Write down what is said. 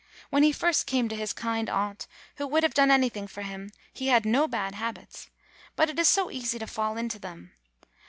When he first came to his kind aunt, who would have done anything for him, he had no bad habits. But it is so easy to fall into them.